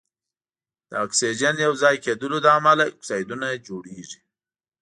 د اکسیجن یو ځای کیدلو له امله اکسایدونه جوړیږي.